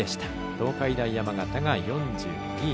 東海大山形が４２位。